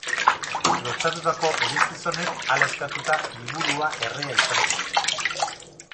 Lotsatutako elizgizonek hala eskatuta liburua errea izan zen.